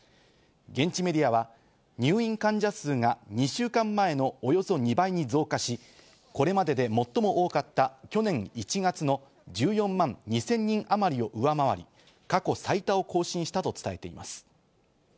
現地メディアは入院患者数が２週間前のおよそ２倍に増加し、これまでで最も多かった去年１月の１４万２０００人あまりを上回り、過去最多を更新したと伝えています。